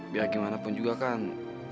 biar gimana pun juga kan